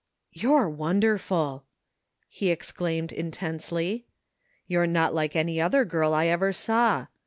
" You're wonderful !" he exclaimed intensely. " You're not like any other girl I ever saw.